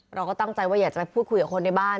เราก็ตั้งใจว่าอยากจะไปพูดคุยกับคนในบ้าน